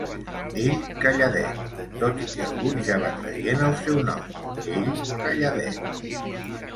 Ell calladet, tot i que algun ja va traient el seu nom, ell calladet.